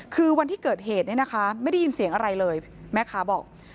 คือวันที่เกิดเหตุเนี่ยนะคะไม่ได้ยินเสียงอะไรเลยแม่ค้าบอก